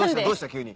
急に。